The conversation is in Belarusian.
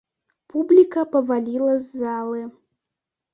Публіка паваліла з залы.